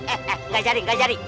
eh eh gak cari gak cari